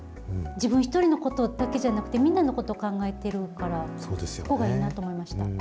自分一人のことだけじゃなくて、みんなのことを考えてるから、そこがいいなと思いました。